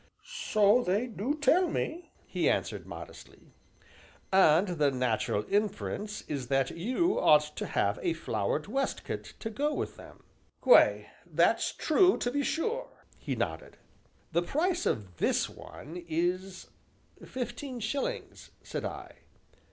"So they do tell me," he answered modestly. "And the natural inference is that you ought to have a flowered waistcoat to go with them." "Why, that's true, to be sure!" he nodded. "The price of this one is fifteen shillings," said I.